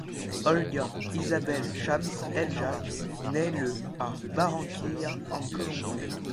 Olga Isabel Chams Eljach naît le à Barranquilla, en Colombie.